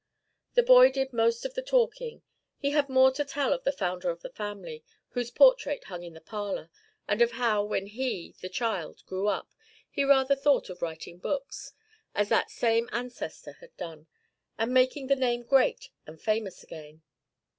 The boy did most of the talking. He had more to tell of the founder of the family whose portrait hung in the parlor, and of how, when he the child grew up, he rather thought of writing books, as that same ancestor had done, and making the name great and famous again.